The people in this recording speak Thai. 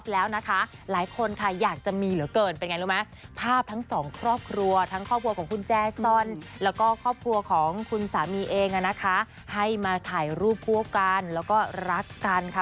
แล้วก็ครอบครัวของคุณสามีเองนะคะให้มาถ่ายรูปพวกกันแล้วก็รักกันค่ะ